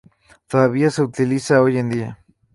Todavía se utiliza hoy en día.